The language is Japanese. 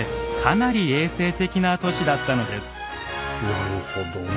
なるほどな！